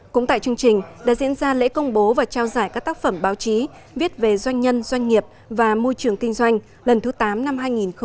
cũng tại chương trình đã diễn ra lễ công bố và trao giải các tác phẩm báo chí viết về doanh nhân doanh nghiệp và môi trường kinh doanh lần thứ tám năm hai nghìn một mươi chín